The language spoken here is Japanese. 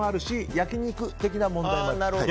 焼き肉的な問題もあると。